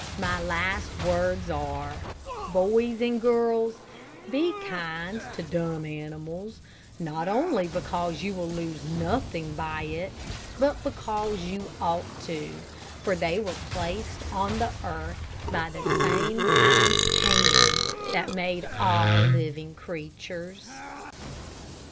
My last words are, "Boys and girls, be kind to dumb animals, not only because you will lose nothing by it, but because you ought to; for they were placed on the earth by the same Kind Hand that made all living creatures."